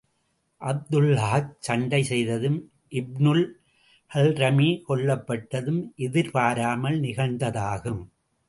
அப்துல்லாஹ் சண்டை செய்ததும், இப்னுல் ஹல்ரமி கொல்லப்பட்டதும் எதிர்பாராமல் நிகழ்ந்ததாகும்.